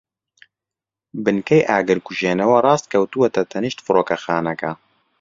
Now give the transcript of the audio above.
بنکەی ئاگرکوژێنەوە ڕاست کەوتووەتە تەنیشت فڕۆکەخانەکە.